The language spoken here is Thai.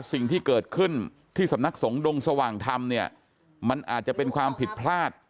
สิ่งที่เกิดขึ้นที่สำนักสงฆ์ดงสว่างธรรมเนี่ยมันอาจจะเป็นความผิดพลาด